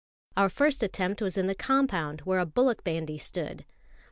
Our first attempt was in the compound, where a bullock bandy stood.